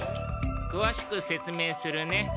くわしく説明するね。